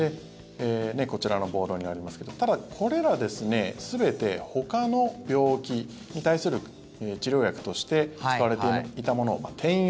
こちらのボードにありますけどただ、これら全てほかの病気に対する治療薬として使われていたものを転用